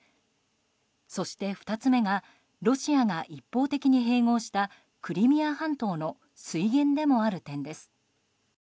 そして、２つ目がロシアが一方的に併合したクリミア半島の水源でもある点です。